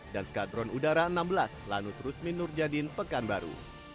dan skadron udara enam belas lanut rusmin nurjadin pekanbaru